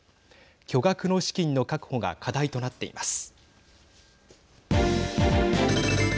巨額の資金の確保が課題となっています。